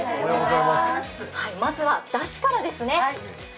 まずはだしからですね。